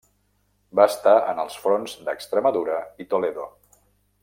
Va estar en els fronts d'Extremadura i Toledo.